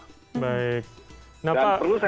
tapi kalau di sini ya ada restoran untuk buka bersama